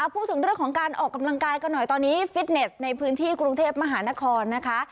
พูดถึงเรื่องของการออกกำลังกายกันหน่อยตอนนี้ฟิตเนสในพื้นที่กรุงเทพมหานครนะคะ